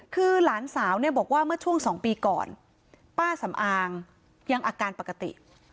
คือหลานสาวเนี่ยบอกว่าเมื่อช่วงสองปีก่อนป้าสำอางยังอาการปกติ